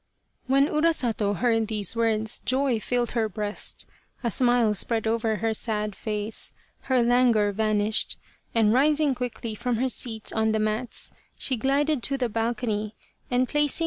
When Urasato heard these words joy filled her breast, a smile spread over her sad face, her languor vanished, and rising quickly from her seat on the mats, she glided to the balcony and placing her * Sama, a title equivalent to Mr. It is a.